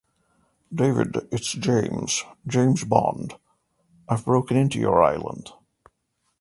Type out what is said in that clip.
David, it's James, James Bond...I've broken into your island.